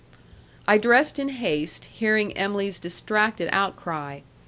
I dressed in haste, hearing Em'ly's distracted outcry.